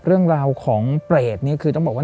เรื่องราวของเปรตนี่คือต้องบอกว่า